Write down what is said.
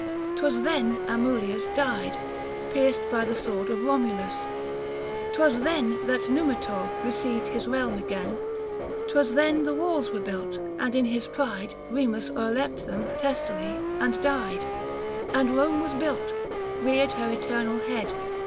'Twas then Amulius died, Pierced by the sword of Bonnilus ; 'twas then That Numitor received his realm again. 'Twas then the walls were built, and in his pride 75 Eemus o'erleapt them testily, and died. And Eome was built, reared her eternal head.